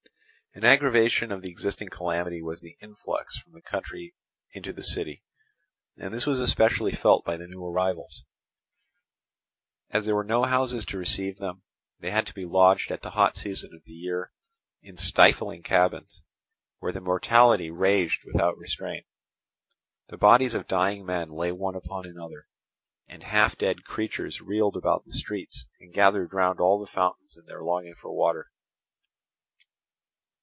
An aggravation of the existing calamity was the influx from the country into the city, and this was especially felt by the new arrivals. As there were no houses to receive them, they had to be lodged at the hot season of the year in stifling cabins, where the mortality raged without restraint. The bodies of dying men lay one upon another, and half dead creatures reeled about the streets and gathered round all the fountains in their longing for water.